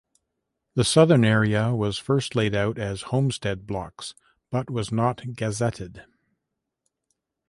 The southern area was first laid out as "homestead blocks" but was not gazetted.